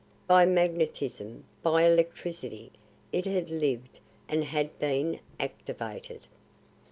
By magnetism, by electricity, it had lived and had been activated.